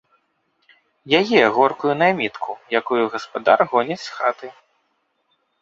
Яе, горкую наймітку, якую гаспадар гоніць з хаты!